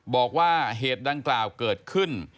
บอกว่าเหตุดังกล่าวเกิดขึ้น